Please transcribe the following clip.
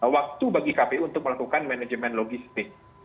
waktu bagi kpu untuk melakukan manajemen logistik